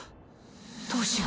どうしよう。